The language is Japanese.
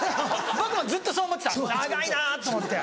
僕もずっとそう思ってた「長いな」と思って。